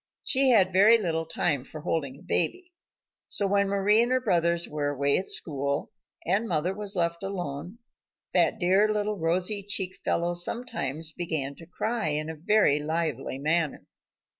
She had very little time for holding a baby. So when Mari and her brothers were away at school, and mother was left alone, that dear little rosy cheeked fellow sometimes began to cry in a very lively manner.